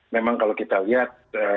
memang kalau kita lihat